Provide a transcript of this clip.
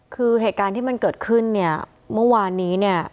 คือเหตุการณ์ที่มันเกิดขึ้นเนี่ยเมื่อวานนี้เนี่ย